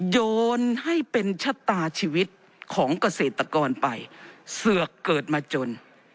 โยนให้เป็นชะตาชีวิตของเกษตรกรไปเสือกเกิดมาจน